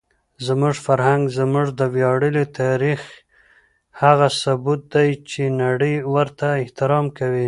زموږ فرهنګ زموږ د ویاړلي تاریخ هغه ثبوت دی چې نړۍ ورته احترام کوي.